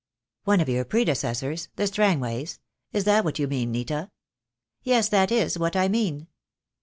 "One of your predecessors — the Strangways? Is that what you mean, Nita?" "Yes, that is what I mean."